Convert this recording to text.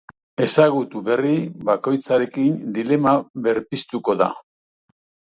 Ezagutza berri bakoitzarekin dilema berpiztuko da.